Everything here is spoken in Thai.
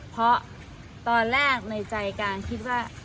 เพราะตอนแรกในใจการคิดว่า